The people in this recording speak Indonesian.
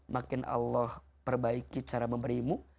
makin allah perbaiki cara memberimu